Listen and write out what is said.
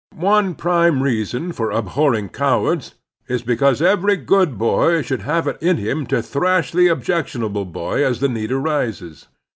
One prime reason for abhorring cowards is because every good boy should have it in him to thrash the objectionable boy as the need arises.